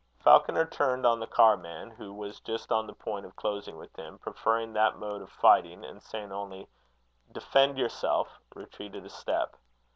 Falconer turned on the carman, who was just on the point of closing with him, preferring that mode of fighting; and saying only: "Defend yourself," retreated a step.